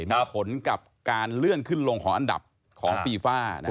มีผลกับการเลื่อนขึ้นลงของอันดับของฟีฟ่า